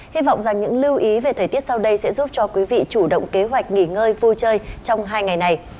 hy vọng rằng những lưu ý về thời tiết sau đây sẽ giúp cho quý vị chủ động kế hoạch nghỉ ngơi vui chơi trong hai ngày này